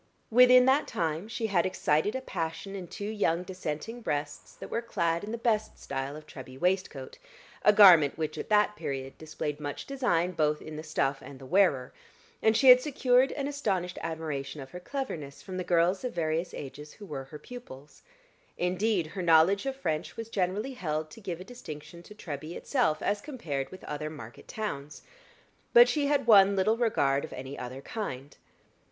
Within that time she had excited a passion in two young Dissenting breasts that were clad in the best style of Treby waistcoat a garment which at that period displayed much design both in the stuff and the wearer; and she had secured an astonished admiration of her cleverness from the girls of various ages who were her pupils; indeed, her knowledge of French was generally held to give a distinction to Treby itself as compared with other market towns. But she had won little regard of any other kind.